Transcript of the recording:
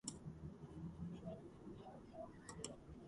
ვაცი უფრო დიდია და მურა.